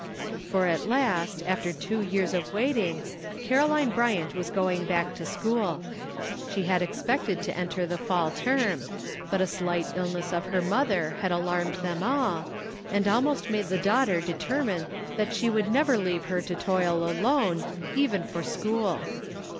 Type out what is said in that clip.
For at last, after two years of waiting, Caro line Bryant was going back to school. She had expected to enter the fall term, but a slight illness of her mother had alarmed them all, and almost made the daughter determine she would never leave her to toil alone even for school.